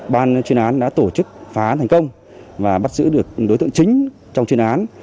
ban chuyên án đã tổ chức phá án thành công và bắt giữ được đối tượng chính trong chuyên án